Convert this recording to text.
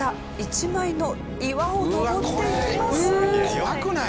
怖くない？